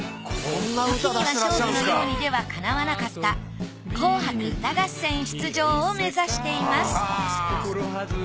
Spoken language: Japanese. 『時には娼婦のように』ではかなわなかった「紅白歌合戦」出場を目指しています